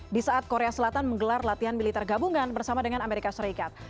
di saat korea selatan menggelar latihan militer gabungan bersama dengan amerika serikat